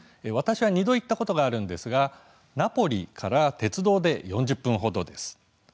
私は２度行ったことがあるんですがナポリから鉄道で４０分ほどです。